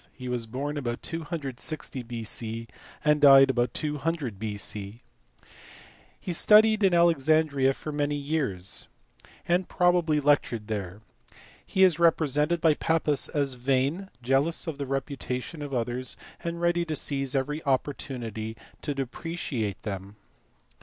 He was born about 260 B.C. and died about 200 B.C. He studied in Alexandria for many years, and probably lectured there ; he is represented by Pappus as "vain, jealous of the reputation of others, and ready to seize every opportunity to depreciate them."